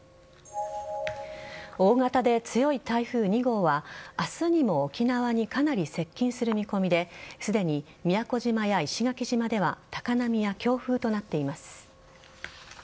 大型で強い台風２号は明日にも沖縄にかなり接近する見込みですでに、宮古島や石垣島では高波や強風となっています。